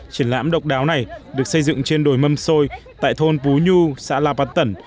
triển lãm độc đáo này được xây dựng trên đồi mâm xôi tại thôn pú nhu xã la văn tần